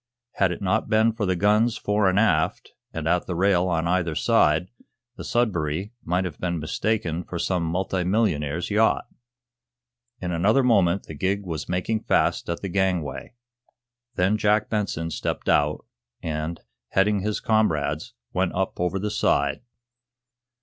Had it not been for the guns fore and aft, and at the rail on either side, the "Sudbury" might have been mistaken for some multi millionaire's yacht. In another moment the gig was making fast at the gangway. Then Jack Benson stepped out, and, heading his comrades, went up over the side.